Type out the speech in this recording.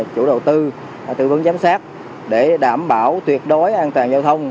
chủ đầu tư tư vấn giám sát để đảm bảo tuyệt đối an toàn giao thông